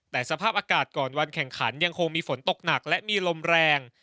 แต่สภาพอากาศก่อนวันแข่งขันยังคงมีฝนตกหนักและมีลมแรง